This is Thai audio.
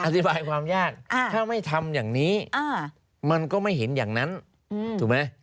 อธิบายความยากถ้าไม่ทำอย่างนี้มันก็ไม่เห็นอย่างนั้นถูกไหม